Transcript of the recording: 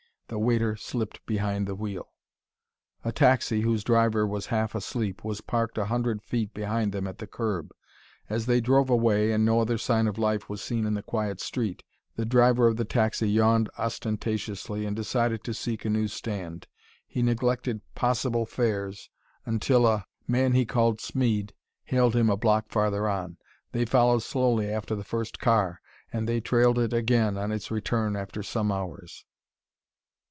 The waiter slipped behind the wheel. A taxi, whose driver was half asleep, was parked a hundred feet behind them at the curb. As they drove away and no other sign of life was seen in the quiet street the driver of the taxi yawned ostentatiously and decided to seek a new stand. He neglected possible fares until a man he called Smeed hailed him a block farther on. They followed slowly after the first car ... and they trailed it again on its return after some hours.